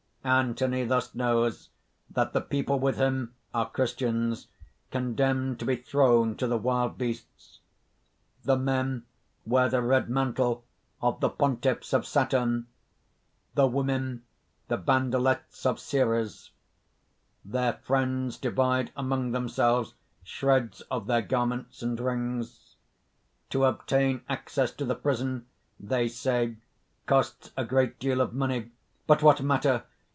_ _Anthony thus knows that the people with him are Christians condemned to be thrown to the wild beasts. The men wear the red mantle of the pontiffs of Saturn; the women, the bandellettes of Ceres. Their friends divide among themselves shreds of their garments, and rings. To obtain access to the prison, they say, costs a great deal of money. But what matter!